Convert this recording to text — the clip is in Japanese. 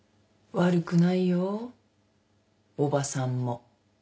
悪くないよおばさんも。